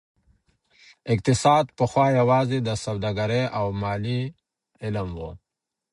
اقتصاد پخوا يوازي د سوداګرۍ او ماليې علم و.